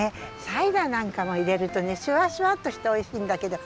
サイダーなんかもいれるとねシュワシュワッとしておいしいんだけど。